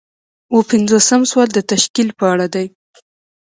اووه پنځوسم سوال د تشکیل په اړه دی.